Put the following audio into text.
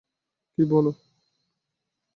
কী, বলো।